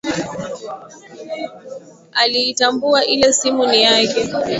Aliitambua ile simu ni yake